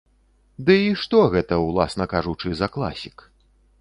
Ды і што гэта, уласна кажучы, за класік?